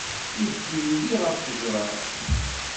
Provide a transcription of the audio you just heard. Ibki yuli ɣef ttejra.